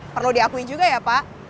perlu diakui juga ya pak